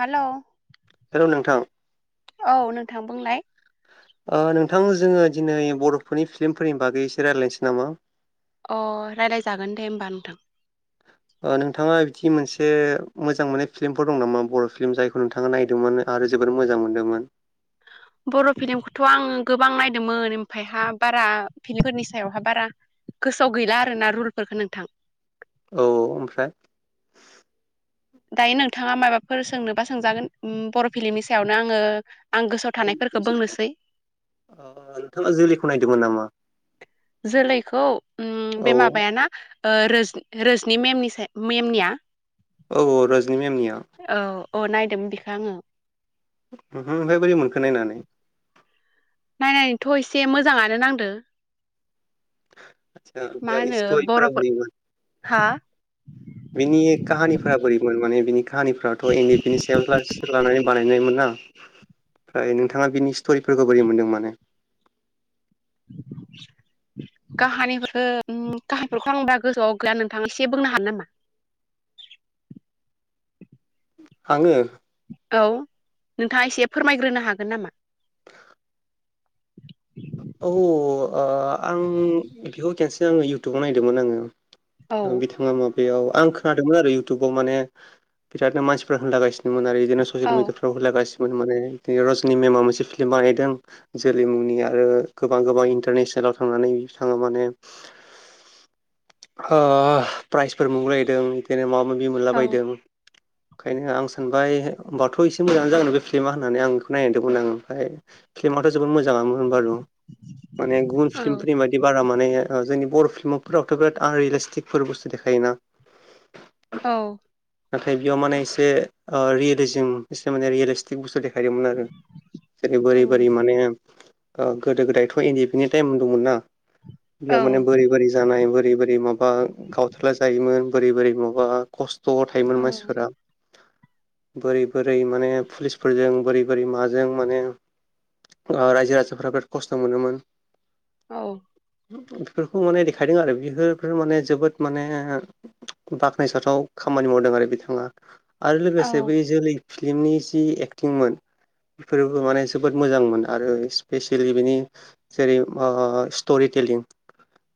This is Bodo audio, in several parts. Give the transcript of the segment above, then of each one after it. हेलौ हेलौ नोंथां औ नोंथां बुंलाय। ओ नोंथां जोङो दिनै बरफोरनि फिल्मफोरनि बागै एसे रायज्लायनोसै नामा। अ रायज्लायजागोन दे होमबा नोंथां। नोंथाङा बिदि मोनसे मोजां मोननाय फिल्मफोर दं नामा बर फिल्म जायखौ थांनो नागिरदोंमोन आरो जोबोर मोजां मोन्दोंमोन बर' फिल्मखौथ आङो गोबां नायदोंमोन ओमफफ्रायहा बारा फिलमफोरनि सायावहा बारा गोसोआव गैला आर ना रुलफोरफोरखौ नोंथां औ औ ओमफ्राय दायो नोंथाङा माबाफोर सोंनोबा सोंजागोन बर फिलमनि सायावनो आङो आं गोसोआव थानायफोरखौ बुंनोसै नोंथाङा जोलैखौ नायदोंमोन नामा जोलैखौ बे औ माबाय ना रोजनि मेमनि मेमनिया औ औ रजनि मेमनिया औ औ नायदोंमोन बिखो आङो ओमफफ्राय बोरै मोनखो नायनानै नायनानैथ एसे मोजाङानो नांदों आदसा मा ओमफ्राय होनो स्ट'रिफोरा बलखौ बोरैमोन हा [inaudible] बिनि काहानिफोरा बोरैमोन माने बिनि काहानिफोराराथ एनड पिनि सायाव लानानै बानायनायमोन ना ओमफ्राय नोंथाङा बिनि स्टरिफोरखौ बोरै मोनदों माने [inaudible] काहानिफोर काहानिफोरखौ आंबा गोजौआव गैया नोंथाङा एसे बुंनो हानो नामा आङो औ नोंथाङा एसे फोरमायग्रोनो हागोन नामा औ आं बेखौ खन्सेै आङो इयउटुबाव नायदोंमोन आङो औ बिथाङा माबायाव आं खोनादोंमोन आरो इउथुबाव माने बिरादनो मानसिफोरा्रा होनलागासिनो आरो बिदिनो औ ससियेल मिडियाफ्रावरलागानो माने रजनि मेमा मोनसे फिल्म बानायदों जोलै मुंनि आरो गोबां गोबां इन्टारनेसनेलाव थांनानै थाङो माने ओआ प्राइजफोर मोनगलायदों बिदिनो माबा माबि मोनला औ बायदों [inaudible] ओंखायनो आं सानबाय होमबाथ' एसे मोजांानो जागोन बे फिल्मा होननानै आं बेखौ नायनायिरदोंमोन आं ओमफ्राय फिल्माथ' जोबोद मोजाङामोन बारु माने गुबुन औ फिल्मफोरनि बाददि बि बारा माने जोंनि बर' फिल्म फोरावथ' बिराद आनरियेलिस्टिकफोर बुस्थु देखायोना औ नाथाय बेयाव माने एसे रियेलिजम एसे माने रिये थि बोसोरनि फ्रानो आरो जेरै औ बोरै बोरै माने ओ गोदो गोदायथ' इन्दि पनि टाइम दंमोनना बेयाव औ बोरै बोरै जानाय बोरै बोर बोरै माबा गावथारला जायोमोन बोरै बोरै माबा खस्थ' थायोमोन मानसिफोरा बोरै बोरै माने पुलिसफोरजों बोरै बोरै माजों माने रायजो राजाफ्रा बिराद खस्थ' मोनोमोन औ बेफोरखौ माने देखायदों आरो बेफोर माने जोबोद माने बाख्नायजाथाव खामानि मावदों आरो बिथाङा आरो लोगोसे औ बै जोलै फिलि्मनि जि एक्टिंमोन बेफोरबो माने जोबोद मोजांमोन आरो सेल बेनि जेरै स्ट'रि टेलिं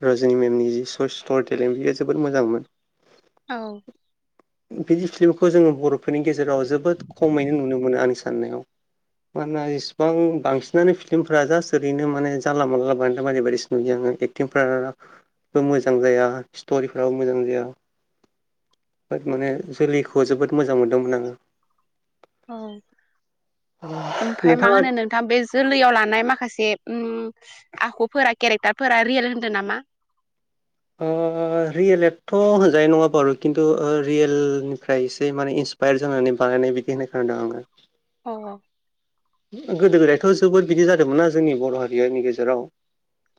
जि सर्ट स्टरि टेलेन्ट बेयो जोबोद मोजांमोन औ [inaudible] बिदि फिल्मखौ जोङो बर'फोरनि गेजेराव जोबोद खमैनो नुनो मोनो आंनि साननायाव मानोना एसेबां बांसिनानो फिल्मफ्रा जास्ट ओरैनो माने जानला मानला बानाइला बाइनासो बायदिसो नुयो आङो एकटिंफोरा बो मोजां जाया स्ट'रिफ्राबो मोजां जाया बाट माने जोलैखौ जोबोद मोनदोंमोन आङो। औ ओमफाय मा नोंथाङा होनो नों थाङा बे जोलैयाव लानाय माखासे उम आखुफोरा केरेक्टारफोरा रियेल होन्दों नामा? ओ रियेल एथ' होनजानाय नङा बारु खिन्थु रियेलनिफ्राय एसे माने इन्स पायेर जानानै बानायनाय बिदि होननाय खोनादों आङो। औ औ गोदो गोदायथ' जोबोद बिदि जादोंमोनना जोंनि बर' हारिनि गेजेराव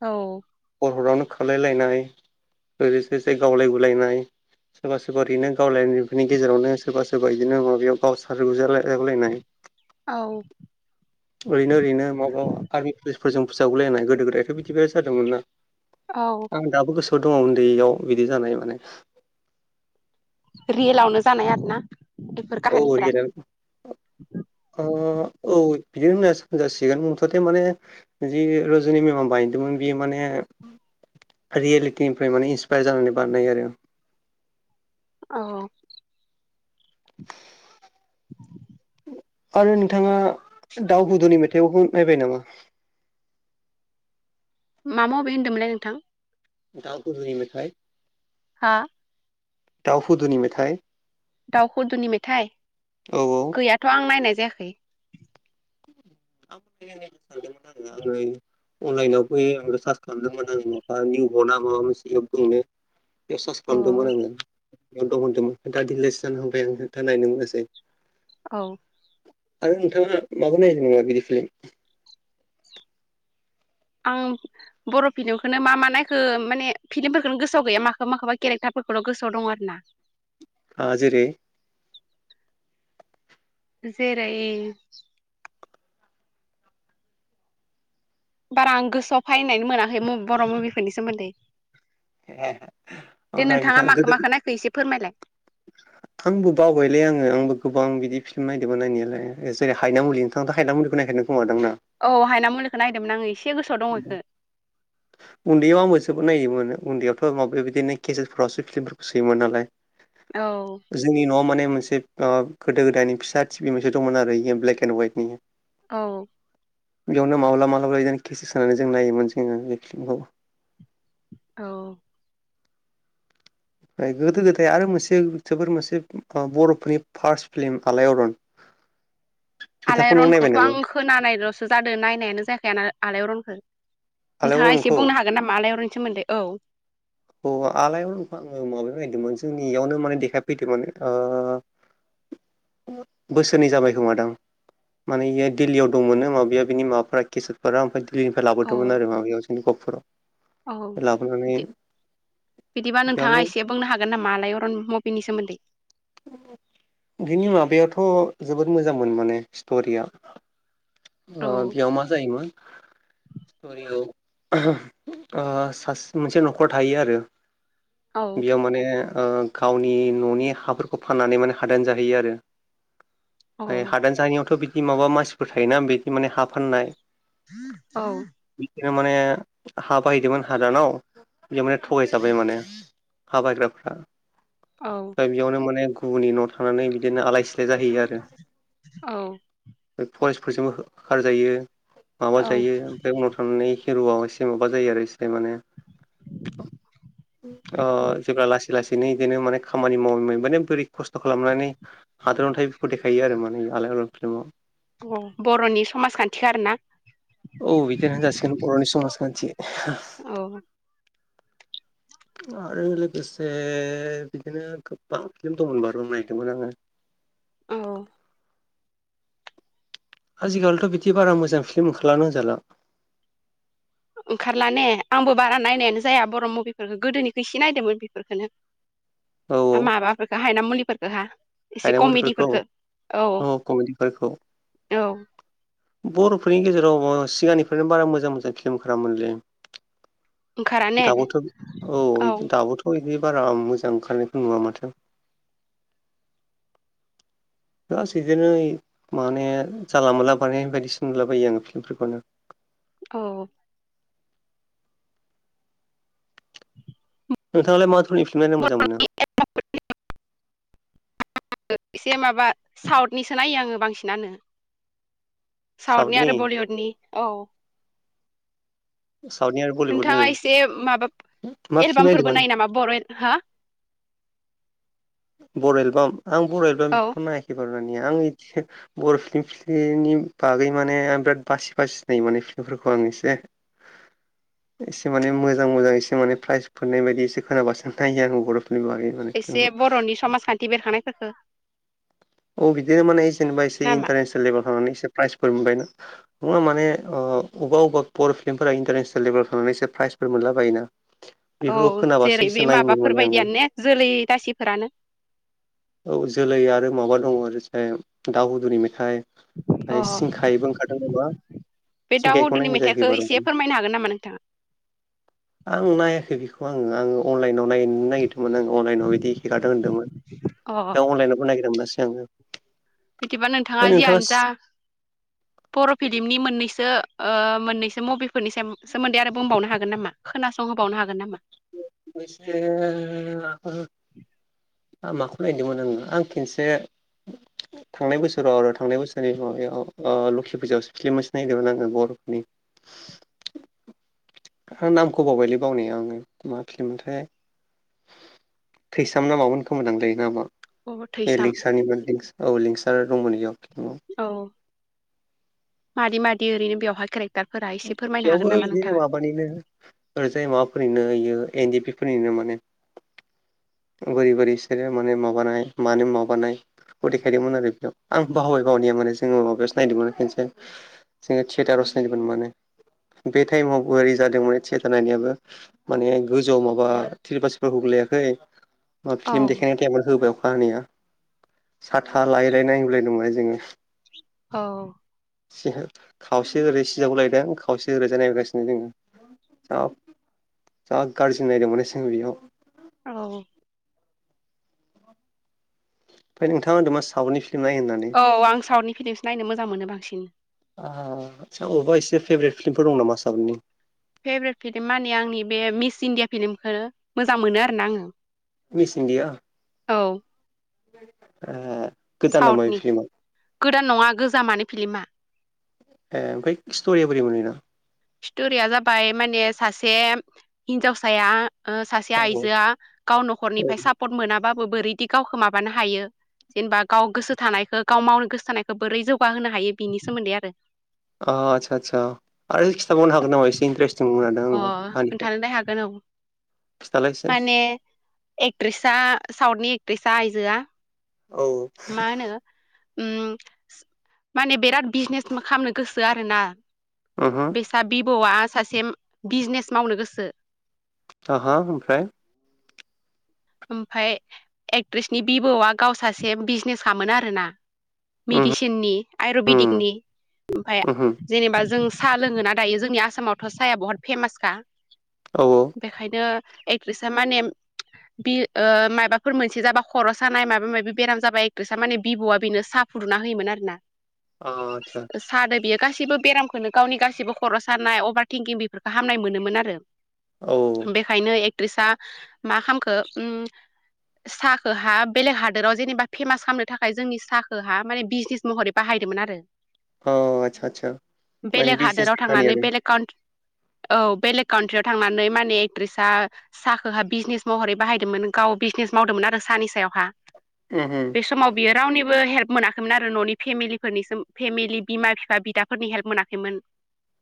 औ हर हरावनो खारलाय लायलाय ओरै एसे एसे गावलाय गुलायनाय सोरबा सोरबा ओरैनो गावलायनायफोरनि गेजेरावनो सोरबा सोरबा बिदिनो माबायाव गावसारुजालायनाय औ ओरैनो ओरैनो माबबा आरमि पुलिसफोरजों फोसावगलायनाय गोदो गोदाय बे बिदिबो जादोंमोन ना औ आं दाबो गोसोआव दङ उन्दैयाव बिदि जानाय माने रेयेलावनो जानाय आर ना? औ रियेलाव [inaudible] ओ औ बिदिनो होनजा होनजासिगोन मुथथे माने जि रज'नि मेमा बायदोंमोन बियो माने रियेलिटिनिफ्राय माने इन्सपायार जानानै बानायनाय आरो। औ आरो नोंथाङा दाउ हुदुनि मेथाइखौबो नायबाय नामा? मा मभि होन्दोंमोनलाय नोंथां? दाउ हुदुनि मेथाइ हा? दाव हुदुनि मेथाइ दाव हुदुनि मेथाइ? औ औ गैयाथ' आं नायनाय जायाखै। [unintelligible] अनलाइनाव फै आं सार्स खालामदोंमोन आं माबा निउ ना माबा मोनसे एप दङनो बेयाव सास अ खालामदोंमोन आङो। [unintelligible] औ आरो नोंथाङा माबा नायदों ना बिदि फिल्म आं बर' फिल्मखौनो मा मा नायखो माने फिल्मफोरखोनो गोसोआव गैया माखोबा माखोबा केरेक्टारफोरखौल' गोसोआव दं आरो ना। ओ जेरै जेरै बारा आं गोसोआव फायनानै मोनाखै बर' मुभिफोरनि सोमोन्दै। दे ओमफ्राय नोंथाङा माखो गोदो माखो नायखो एसे फोरमायलाय। आंबो बावबायलै आङो आंबो गोबां बिदि फिल्म नायदोंमोन नायनायालाय जेरै हायना मुलि नोंथांथ' हायनामुलिखौ नायखा खोमादांना? औ हायना मुलिखौ नायदोंमोन आङो एसे गोसोआव दं इखो। उन्दैयाव आंबो जोबोद नायोमोन उन्दैयावथ' माबा माबि बिदिनो केसेदफोरावसो फिल्मफोरखौ सोयोमोन नालाय। औ। जोंनि न'आव माने मोनसे ओ गोदो गोदायनि फिसा टिभि मोनसे दंमोन आरो इयो ब्लेक एन्ड अयाटनि। औ। एयावनो माब्लाबा माब्लाबा बिदिनो केसेद सोनानै जों नायोमोन जोङो बे फिल्मखौ। औ। गोदो गोदाय आरो मोनसे जोबोर मोनसे बर'फोरनि फार्स्ट फिल्म आलायआर'न एथाखौनों आलायारनखौथ' नायबाय आं नामा? खोनानायल'सो जादों नायनायानो जायाखै आलायआर'नखो नोंथाङा एसे आलायारनखौ बुंनो हागोन नामा आलायआर'ननि सोमोन्दै औ। औ आलायआर'नखौ आङो माबायाव नायदोंमोन जोंनि एयावनो माने देखायफैदोंमोन ओ बोसोरनै जाबाय खोमादां। माने इयाय दिल्लोयाव दंमोननो माबाया बिनि माबाफोरा केसेटफोरा ओमफ्राय दिल्लोनिफ्राय औ लाबोदोंमोन आरो माबायाव जोंनि औ गफुराव लाबोनानै बिदि बिदिबा नोंथाङा बेयावनो एसे बुंनो हागोन नामा आलायअर'न मबिनि सोमोन्दै? [unintelligible] बिनि माबायाथ' जोबोद मोजांमोन माने स्ट'रिया। ओ औ बियाव मा जायोमोन स्ट'रियाव ओ सास मोनसे न'खर थायो आरो। औ बेयाव माने ओ गावनि न'नि हाफोरखौ फाननानै माने हादान जाहैयो आरो। औ ओमफाय हादान जानायावथ' बिदि माबा मानसिफोर थायोना बिदि माने हा फाननाय। औ। बिदिनो माने हा बायदोंमोन हादानाव बेयाव माने थगायजाबाय माने हा बायग्राफ्रा। औ। ओमफ्राय बेयावनो माने गुबुननि न'आव थानानै बिदिनो आलाय सिलाय जाहैयो आरो। औ फरेस्टफोरजोंबो होखारजायो माबा जायो ओमफाय उनाव थांनानै हिरुआव एसे माबा जायो आरो एसे माने ओ औ जेब्ला लासै लासैनो बिदिनो माने खामानि मावै मावै माने बोरै खस्थ' खालामनानै हादानाव थायो बेफोरखौ देखायो आरो माने आलाइआर'न फिलिमाव। बर'नि समाजखान्थिखो आरोना। औ बिदिनो होनजासिगोन बर'नि समाजखान्थि। औ। [inaudible] आरो लोगोसे बिदिनो गोबां फिलिम दं होनबा रम नायदोंमोन आङो। औ। आजिखालिथ' बिदि बारा मोजां फिलिम ओंखारलानो होनजाला। ओंखारला ने आंबो बारा नायनायानो जाया बर' मुभिफोरखौ गोदोनिखौ इसे नायदोंमोन बेफोरफोरखोनो। [inaudible] हा औ माबाफोरखो हायना मुलिफोरखो हा। एसे हायना मुलिफोरखौ कमेडिफोरखो औ औ। बर'फोरनि गेजेराव सिगांनिफ्रायनो बारा मोजां मोजां फिल्म ओंखारा मोनलै। ओंखारा ने दाबोथ' औ दाबोथ' औ इदि बारा मोजां ओंखारनायखौ नुआ माथो। बास बिदिनो माने जाला मोनला बानाय बायदिसो नुलाबायो आङो फिल्मफोरखौनो औ नोंथाङालाय मा मा धरनि फिलिमफोर नायना मोजां मोनो ए [unintelligible] ओ एसे माबा साउथनिसो नायो आङो बांसिनानो साउथनि आरो बलिउडनि अ साउथनि आरो बलिउडनि नोंथाङा एसे माबा मा फिल्म एलबामफोरबो नायदोंमोन नायो नामा बर' एलबाम हा बर' एलबाम आं बर' एलबाम औ बिदिखौ नायाखै बारा दानिया आं बिदि बर' फिल्मफोरनि बागै माने आं बिराद बासि बासि नायो माने फिल्मफोरखौ आं एसे [inaudible] एसे माने मोजां मोजां एसे माने प्राइजफोरनाय बायदि एसे खोनाबासो नायो आं बर' फोरनि बागै माने एसे फिल्मखौ बर'नि समाजखान्थि बेरखांनायफोरखौ औ बिदिनो माने जेनेबा एसे नामा इन्टारनेसनेल लेभेल थांनानै एसे प्राइजफोर मोनबाय ना नङा माने ओ अबा अबा बर' फिल्मफोरा इन्टारनेसनेल लेभेलाव थांनानैसो प्राइजफोर मोनला बायोना औ बेफोरखौ खोनाबासो जेरै बे एसे नायोमोन माने आङो माबाफोरबायदियानो ने जोलै दासिफोरानो औ जोलै आरो माबा दङ मोनसे दाव हुदुनि मेथाइ अ ओमफ्राय सिंखायबो ओंखारदों नामा बे दाउ सिंखायखौ हुदुनि नायनाय जायाखै मेथाइखौ बारु एसे फोरमायनो हागोन नामा नोंथाङा आं नायाखै बेखौ आङो आङो अनलाइनाव नायनो नागिरदोंमोन आं अनलाइनाव बिदि हेंगारदों होनदोंमोन औ दा अनलाइनावबो नागिरना मोनासै आङो बिदिबा नोंथाङा ओमफ्राय जियानो जा नोंथाङा [unintelligible] बर' फिल्मनि मोननैसो ओ मोननैसो मुभिफोरनि सोम सोमोन्दै आरो बुंबावनो हागोन नामा खोनासं होबावनो हागोन नामा औ मोनसे आबो आं माखौ नायदोंमोन आंङो आं खेनसे थांनाय बोसोराव‌ आरो थांनाय बोसोरनि माबायाव ओ लखि फुजायाव सो फिलिम मोनसे नायदोंमोन आङो बर'फोरनि हा नामखौ बावबायलै बावनायाव आङो मा फिलिम मोनथाय थैसाम ना मामोन खोमा दां लै नामा अ बे थैसाम लिंसारनिबो औ लिंसार दंमोन बेयाव औ औ मादि मादि ओरैनो बेवहाय कारेक दागफोरा एसे फोरमायनो हागोन नामा नोंथाङा मानिनों ओरैजाय माबाफोरनिनो इयो एन डि पि फोरनिनो माने बोरै बोरै इसोर माने माबानाय माने माबानाय खौ देखायदोंमोन आरो बेयाव आं बावबाय बावनाया माने जोङो माबायावसो नायदोंमोन खोनसे जोङो थियेटारावसो नायदोंमोन माने बे टाइमावबो ओरै जादोंमोन माने थियेटार नायनायाबो माने गोजौआव माबा थिर फाल सिरफाल बग्लायाखै मा औ फिल्म देखायनाय टाइमाव होबाय अखा हानाया साथा लायै लायै नायगु लायदों माने जोङो औ सि हो खावसे ओरै सिजागुलायदों खावसे ओरैजा नायगासिनो जोङो औ जा गाज्रि नायदोंमोन बै समाव बेयाव औ ओमफ्राय नोंथाङा होनदो मा साउदनि फिलिम नायो होननानै औ आं साउथनि फिलिमसो नायनो मोजां मोनो बांसिन। औ आदसा अबा एसे फेब्रेद फिलिमफोर दं नामा साउटनि? फेब्रेद फिलिम माने आंनि बे मिस इण्डिया फिलिमखौ मोजां मोनो आरो ना आङो। Miss India? औ। ए। गोदान नामा बे साउथनि फिल्मा गोदान नङा गोजामानो फिलिमा। ए ओमफ्राय स्टरिया बोरै मोन इना? स्तरिया जाबाय माने सासे हिन्जावसाया ओ सासे औ आइजोआ गाव औ न'खरनिफ्राय सापर्ट मोनाबाबो बोरैदि गावखौ माबानो हायो जेनेबा गाव गोसो थानायखौ गाव मावनो गोसो थानायखौ बोरै जौगाहोनो हायो बिनि सोमोन्दै आरो। अ आतसा आतसा आरो दा बुंनो हागोन नामा एसे इन्टारेस्टिं मोनदों आङो काहानिखौ। ए हागोन औ। खिथालाइ एसे। एकट्रिसा सावद नि एकट्रिसा आइजोआ औ। मा होनो ओम माने बिराद बिजनेस खालामनो गोसो आरोना। ओमहु सा बिबौआ सासे बिजनेस मावनो गोसो। आहा ओमफ्राय ओमफाय एकट्रिस नि बिबौआ गाव सासे बिजनेस खामोन आरो ना। उमहो मेडिसिननि उम आयुरबेदिकनि ओमफाय उमहो जेनोबा जों सा लोंङो ना दायो जोंनि आसामावथ' साहाया बहुत फेमासखा। औ औ। बेखायनो एकट्रिसा माने बि ओ माबाफोर मोनसे जाबा खर' सानाय माबा माबि बेराम जाबा एकट्रिसा माने बिबौ'आ बेनो साह फुदुंना होयोमोन आरो ना। अ आदसा। साहदो बियो गासिबो बेरामखौनो गावनि गासिबो खर' सानाय अभार थिंकिं बेफोरखौ हामनाय मोनोमोन आरो। औ। बेखायनो एक्ट्रिसा मा खालामखो उम साहाखौ हा बेलेग हादोराव जेनेबा फेमास खालामनो थाखाय जोंनि साहाखौहा माने बिजनेस महरै बाहायदोंमोन आरो। औ आदसा आदसा माने बेलेग हादोराव बिजनेसनि काहानि थांनानै आरो बेलेग काउट्रि - औ बेलेग काउन्ट्रियाव थांनानै माने एक्ट्रिसा आ साहखो हा बिजनेस महरै बाहायदोंमोन गाव बिजनेस मावदोंमोन आरो सानि सायावहा। [unintelligible] बे समाव बियो रावनिबो हेल्प मोनाखैमोन आरो न'नि फेमिलिफोरनिसिम फेमिलि बिमा बिफा बिदा फोरनि हेल्प मोनाखैमोन।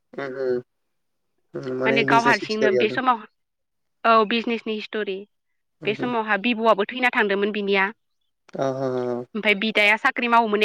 उमहो उमहो माने गाव बिजनेसनि हारसिंनो स्ट'रि बे आरो समाव औ बिजनेसनि स्टिरि बे उमहो समावहा बिबौआबो थैना थांदोंमोन बिनिया। अ अ। ओमफ्राय बिदाया साख्रि मावोमोन।